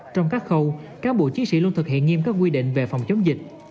trong các khâu cán bộ chiến sĩ luôn thực hiện nghiêm các quy định về phòng chống dịch